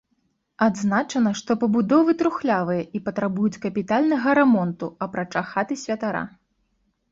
Адзначана, што пабудовы трухлявыя і патрабуюць капітальнага рамонту, апрача хаты святара.